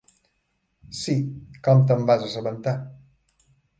Sí, com te'n vas assabentar?